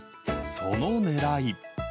そのねらい。